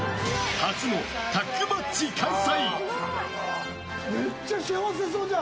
初のタッグマッチ開催。